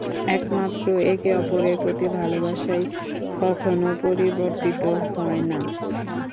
একমাত্র একে অপরের প্রতি ভালোবাসাই কখনো পরিবর্তিত হয় না।